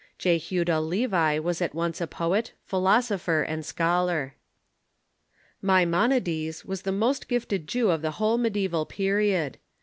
Jehuda Levi was at once a poet, philosopher, and scholar. Maimonides was the most gifted Jew of the whole mediae val period.